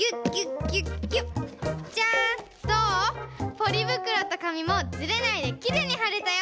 ポリぶくろとかみもズレないできれいにはれたよ！